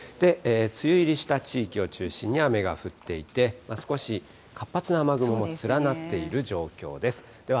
梅雨入りした地域を中心に雨が降っていて、少し活発な雨雲も連なっている状況です。